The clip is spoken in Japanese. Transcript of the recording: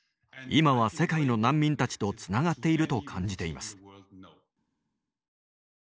今は世界の難民たちとつながっていると感じています。